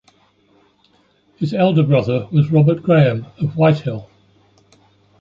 His elder brother was Robert Grahame of Whitehill.